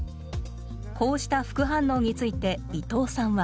こうした副反応について伊藤さんは。